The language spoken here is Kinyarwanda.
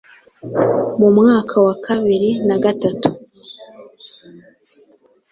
Mu mwaka wa bibiri na gatatu